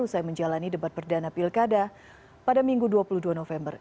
usai menjalani debat perdana pilkada pada minggu dua puluh dua november